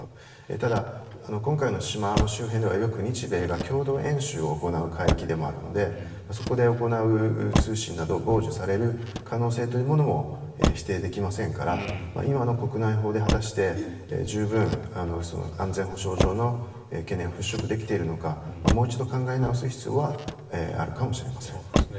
ただ、今回の島の周辺ではよく日米が共同演習を行う海域でもあるのでそこで行う通信などを傍受される可能性というのも否定できませんから今の国内法で果たして、十分安全保障上の懸念を払しょくできているのかもう一度考え直す必要はあるかもしれません。